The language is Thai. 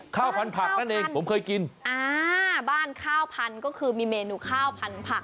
ข้าวพันธุ์ผักนั่นเองผมเคยกินอ่าบ้านข้าวพันธุ์ก็คือมีเมนูข้าวพันผัก